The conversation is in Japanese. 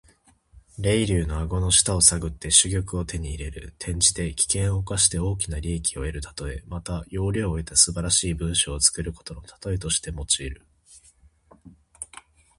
驪竜の顎の下を探って珠玉を手に入れる。転じて、危険を冒して大きな利益を得るたとえ。また、要領を得た素晴らしい文章を作ることのたとえとしても用いる。